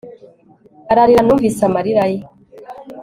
Ararira Numvise amarira ye